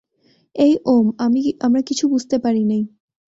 এই ওম, আমরা কিছু বুঝতে পারিনাই।